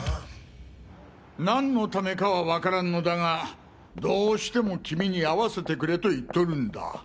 何のためかは分からんのだがどうしても君に会わせてくれと言っとるんだ。